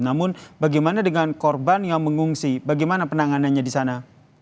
namun bagaimana dengan korban yang mengungsi bagaimana penanganannya di sana